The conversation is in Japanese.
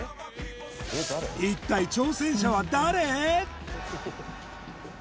一体挑戦者は誰？